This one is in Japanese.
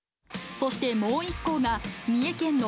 そしてもう１校が、三重県の